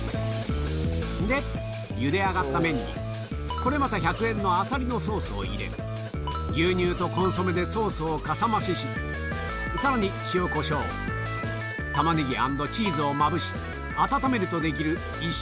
で、ゆで上がった麺に、これまた１００円のアサリのソースを入れ、牛乳とコンソメでソースをかさ増しし、さらに塩こしょう、たまねぎ＆チーズをまぶし、温めると出来る１食